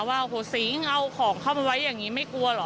โหสิงเอาของเข้าไปไว้อย่างนี้ไม่กลัวเหรอ